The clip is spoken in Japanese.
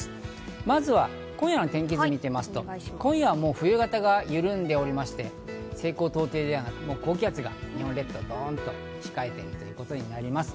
まずは今夜の天気図を見てみますと、今夜は冬型が緩んでおりまして、西高東低ではなく、高気圧が日本列島にドンと控えているということになります。